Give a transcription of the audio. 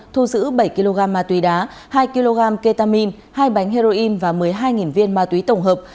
thu giữ bảy kg ma túy đá hai kg ketamin hai bánh heroin và một mươi hai viên ma túy tổng hợp